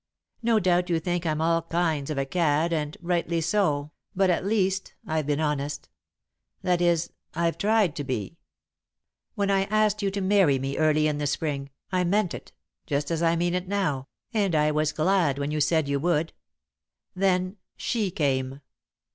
No doubt you think I'm all kinds of a cad, and rightly so, but, at least, I've been honest that is, I've tried to be. "When I asked you to marry me, early in the Spring, I meant it, just as I mean it now, and I was glad when you said you would. Then she came.